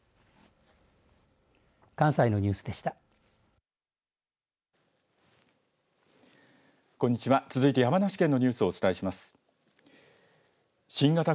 関西のニュースでした。